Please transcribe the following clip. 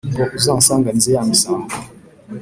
ngo unsanganize ya misango